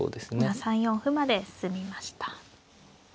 今３四歩まで進みました。